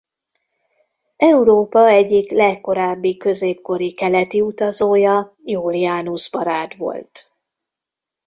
Európa egyik legkorábbi középkori keleti utazója Julianus barát volt.